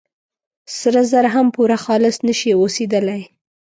سره زر هم پوره خالص نه شي اوسېدلي.